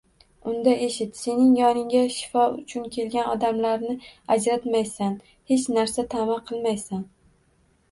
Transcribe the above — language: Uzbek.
– Unda eshit: sening yoningga shifo uchun kelgan odamlarni ajratmaysan, hech narsa ta’ma qilmaysan